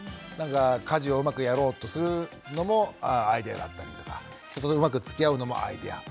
家事をうまくやろうとするのもアイデアだったりとか人とうまくつきあうのもアイデア。